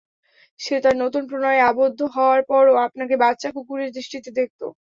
সে তার নতুন প্রণয়ে আবদ্ধ হওয়ার পরও আপনাকে বাচ্চা কুকুরের দৃষ্টিতে দেখত।